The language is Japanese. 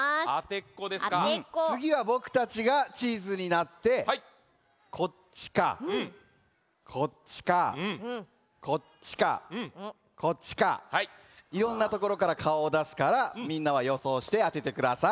つぎはぼくたちがチーズになってこっちかこっちかこっちかこっちかいろんなところからかおをだすからみんなはよそうしてあててください。